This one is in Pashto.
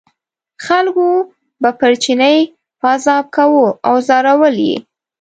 خلکو به پر چیني پازاب کاوه او ځورول یې.